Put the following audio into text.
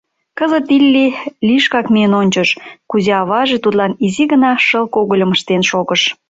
Кызыт Илли лишкак миен ончыш, кузе аваже тудлан изи гына шыл когыльым ыштен шогыш.